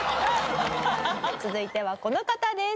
続いてはこの方です。